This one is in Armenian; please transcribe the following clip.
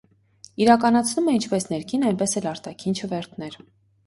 Իրականացնում է ինչպես ներքին, այնպես էլ արտաքին չվերթներ։